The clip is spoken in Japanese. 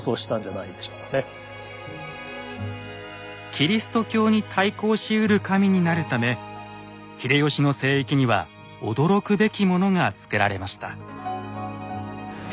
キリスト教に対抗しうる神になるため秀吉の聖域には驚くべきものが造られました。